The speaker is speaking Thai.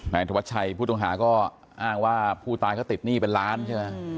ธวัชชัยผู้ต้องหาก็อ้างว่าผู้ตายเขาติดหนี้เป็นล้านใช่ไหม